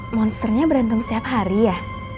monsternya berantem setiap hari ya